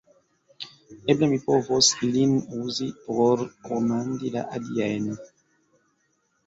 Eble mi povos lin uzi, por komandi la aliajn!